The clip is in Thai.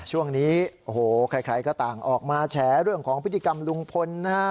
ช่วงนี้โอ้โหใครก็ต่างออกมาแฉเรื่องของพฤติกรรมลุงพลนะฮะ